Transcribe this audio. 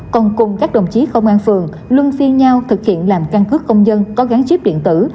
còn cùng các đồng chí công an phường luôn phiên nhau thực hiện làm căn cứ công dân có gắn chip điện tử